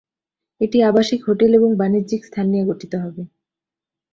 এটি আবাসিক, হোটেল এবং বাণিজ্যিক স্থান নিয়ে গঠিত হবে।